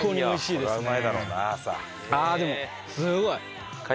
ああでもすごい。